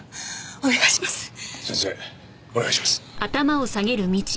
先生お願いします。